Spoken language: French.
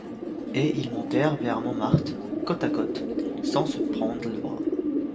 Et ils montèrent vers Montmartre, côte à côte, sans se prendre le bras.